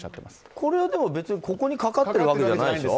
これはここにかかってるわけじゃないでしょ。